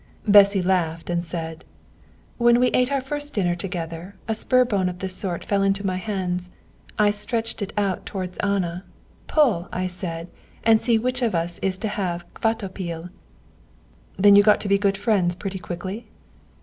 Bessy laughed and said: "When we ate our first dinner together, a spur bone of this sort fell into my hands. I stretched it out towards Anna. 'Pull,' I said, 'and see which of us is to have Kvatopil.'" "Then you got to be good friends pretty quickly?"